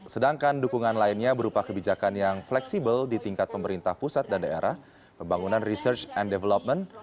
sedangkan dukungan lainnya berupa kebijakan yang fleksibel di tingkat pemerintah pusat dan daerah pembangunan research and development